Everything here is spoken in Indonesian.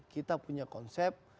kita punya konsep